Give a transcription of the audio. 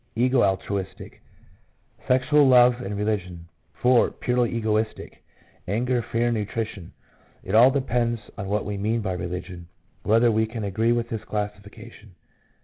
Ego altruistic — sexual love and religion ; 4. Purely egoistic — anger, fear, nutrition. It all depends on what we mean by religion, whether we can agree with this classification.